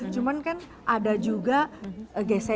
cuman kan ada juga yang berubah